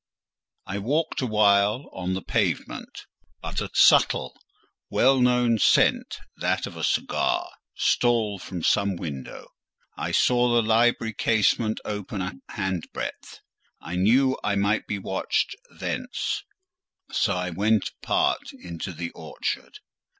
I walked a while on the pavement; but a subtle, well known scent—that of a cigar—stole from some window; I saw the library casement open a handbreadth; I knew I might be watched thence; so I went apart into the orchard.